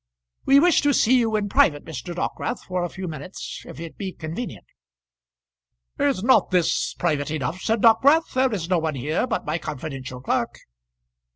"We wish to see you in private, Mr. Dockwrath, for a few minutes if it be convenient." "Is not this private enough?" said Dockwrath. "There is no one here but my confidential clerk."